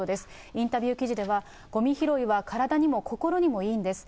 インタビュー記事では、ごみ拾いは体にも心にもいいんです。